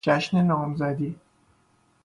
جشن نامزدی